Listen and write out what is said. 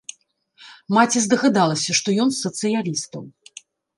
Маці здагадалася, што ён з сацыялістаў.